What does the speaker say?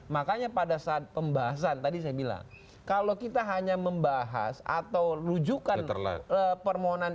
makanya pada saat pembahasan tadi saya bilang kalau kita hanya membahas atau rujukan permohonan